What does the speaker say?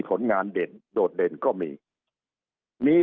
สุดท้ายก็ต้านไม่อยู่